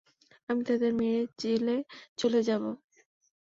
আমি তাদের মেরে জেলে চলে যাব!